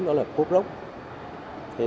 đó là pop rock